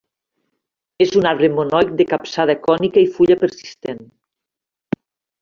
És un arbre monoic de capçada cònica i fulla persistent.